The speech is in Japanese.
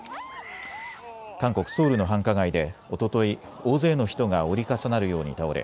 韓国ソウルの繁華街でおととい、大勢の人が折り重なるように倒れ